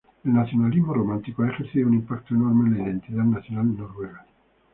El nacionalismo romántico ha ejercido un impacto enorme en la identidad nacional noruega.